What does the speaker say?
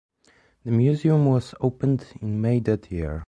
The museum was opened in May that year.